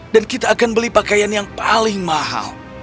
dan kita akan beli pakaian yang paling mahal